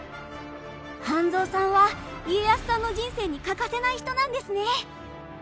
半蔵さんは家康さんの人生に欠かせない人なんですね。